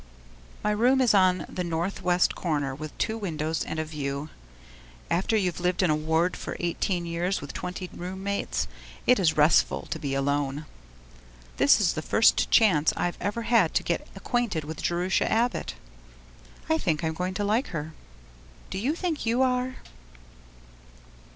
My room is on the north west corner with two windows and a view. After you've lived in a ward for eighteen years with twenty room mates, it is restful to be alone. This is the first chance I've ever had to get acquainted with Jerusha Abbott. I think I'm going to like her. Do you think you are?